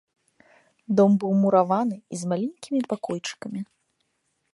Дом быў мураваны і з маленькімі пакойчыкамі.